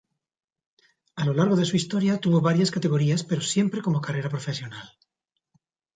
A lo largo de su historia tuvo varias categorías pero siempre como carrera profesional.